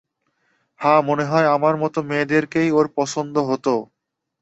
হ্যাঁ, মনে হয় আমার মত মেয়েদেরকেই ওর পছন্দ হত।